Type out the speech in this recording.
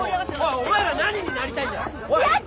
お前ら何になりたいんだよ！？